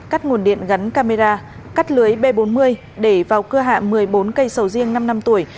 cắt nguồn điện gắn camera cắt lưới b bốn mươi để vào cưa hạ một mươi bốn cây sầu riêng năm năm tuổi